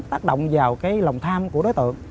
tác động vào cái lòng tham của đối tượng